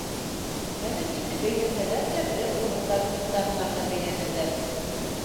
Хәҙер инде бәйләнһәләр ҙә бер уның документтарына ғына бәйләнерҙәр.